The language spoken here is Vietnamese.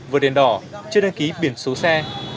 vượt đèn đỏ chưa đăng ký biển số xe